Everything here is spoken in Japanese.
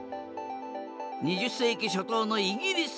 ２０世紀初頭のイギリス。